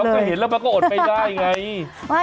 แต่เราเห็นแล้วมันก็อดไปเข้ายังไง